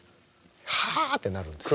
はあってなるんですよ。